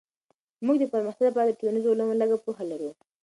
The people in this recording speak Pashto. موږ د پرمختګ لپاره د ټولنيزو علومو لږه پوهه لرو.